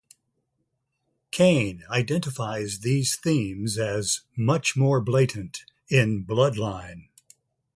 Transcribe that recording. Kane identifies these themes as "much more blatant" in "Bloodline".